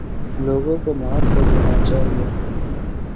لوگوں کو معاف کر دینا چاہیے